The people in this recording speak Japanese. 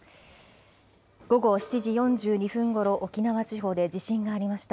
午後７時４２分ごろ、沖縄地方で地震がありました。